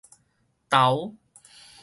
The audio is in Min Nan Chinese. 投